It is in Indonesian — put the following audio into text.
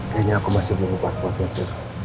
kayaknya aku masih belum lupa buat nyetir